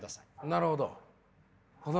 なるほど。